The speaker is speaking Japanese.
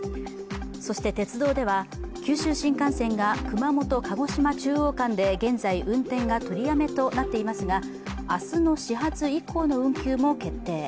鉄道では九州新幹線が熊本−鹿児島中央間で現在、運転が取りやめとなっていますが、明日の始発以降の運休も決定。